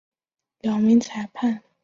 两名裁判在比赛期间会经常交换位置。